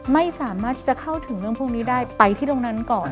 ไม่สามารถที่จะเข้าถึงเรื่องพวกนี้ได้ไปที่ตรงนั้นก่อน